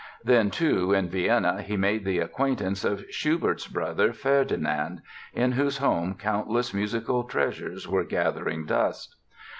Then, too, in Vienna he made the acquaintance of Schubert's brother, Ferdinand, in whose home countless musical treasures were gathering dust.